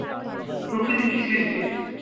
প্রকৃতির কী সৃষ্টি।